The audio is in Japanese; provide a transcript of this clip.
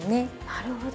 なるほど。